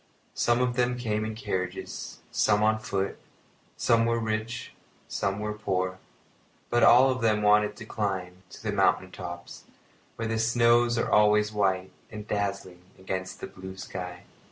Some of them came in carriages, some on foot; some were rich, some were poor; but all of them wanted to climb to the mountain tops, where the snows are always white and dazzling against the blue sky.